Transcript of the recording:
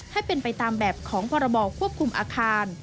ให้เป็นไปตามแบบของพรบควบคุมอาคาร